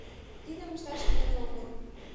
Тидым ышташ неле огыл.